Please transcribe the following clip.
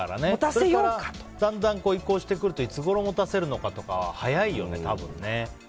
それからだんだん移行していくといつごろ持たせるのかとか早いよね、多分ね。